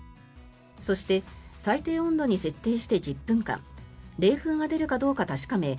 そして、最低温度に設定して１０分間冷風が出るかどうか確かめ